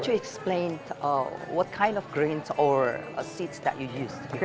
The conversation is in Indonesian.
bisa anda jelaskan apa jenis kain atau buah yang anda gunakan